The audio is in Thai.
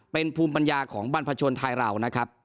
เป็นภูมิปัญญาของบรรพชนไทยเรานะครับ